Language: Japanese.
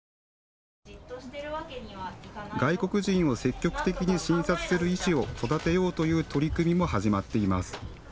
外国人を積極的に診察する医師を育てようという取り組みも始まっています。